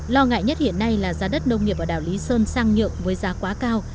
lo ngại nhất hiện nay là giá đất nông nghiệp ở đảo lý sơn sang nhượng với giá quá cao